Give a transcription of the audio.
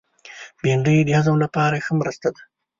بېنډۍ د هضم لپاره ښه مرسته ده